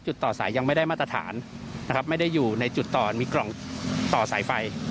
ต่อสายยังไม่ได้มาตรฐานนะครับไม่ได้อยู่ในจุดต่อมีกล่องต่อสายไฟ